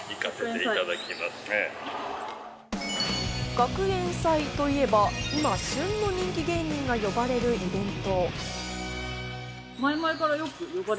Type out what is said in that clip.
学園祭といえば、今旬の人気芸人が呼ばれるイベント。